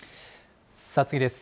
次です。